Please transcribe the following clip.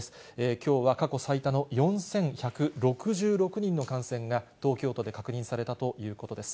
きょうは過去最多の４１６６人の感染が東京都で確認されたということです。